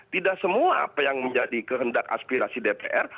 tidak semua apa yang menjadi kehendak aspirasi dpr